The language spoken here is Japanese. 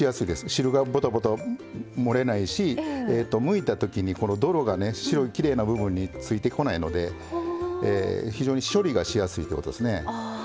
汁がぼたぼた漏れないしむいた時にこの泥がね白いきれいな部分についてこないので非常に処理がしやすいということですね。